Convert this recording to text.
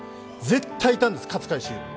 絶対いたんです、勝海舟！